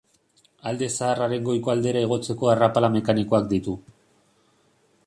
Alde Zaharraren goiko aldera igotzeko arrapala mekanikoak ditu.